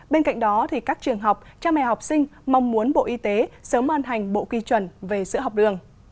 bên cạnh đó các trường học cha mẹ học sinh mong muốn bộ y tế sớm ban hành bộ quy chuẩn về sữa học đường